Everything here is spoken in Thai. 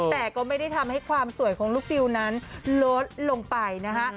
แต่ก็ไม่ได้ทำให้ความสวยของลูกดิวนั้นลดลงไปนะคะ